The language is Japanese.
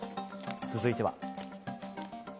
続いては。